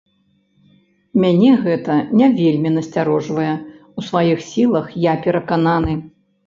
Мяне гэта не вельмі насцярожвае, у сваіх сілах я перакананы.